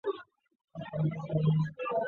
沃埃夫尔地区圣伊莱尔人口变化图示